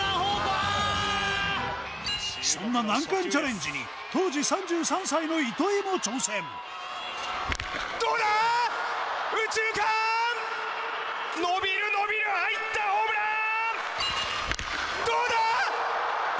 そんな難関チャレンジに当時３３歳の糸井もチャレンジ。